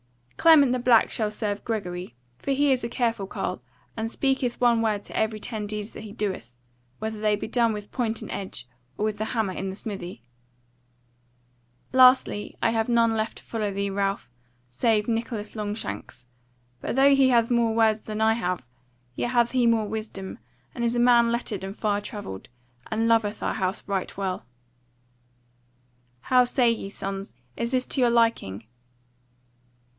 "Clement the Black shall serve Gregory: for he is a careful carle, and speaketh one word to every ten deeds that he doeth; whether they be done with point and edge, or with the hammer in the smithy. "Lastly, I have none left to follow thee, Ralph, save Nicholas Longshanks; but though he hath more words than I have, yet hath he more wisdom, and is a man lettered and far travelled, and loveth our house right well. "How say ye, sons, is this to your liking?"